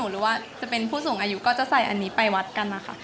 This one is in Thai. หรือว่าจะเป็นผู้สูงอายุก็จะใส่อันนี้ไปวัดกันนะคะ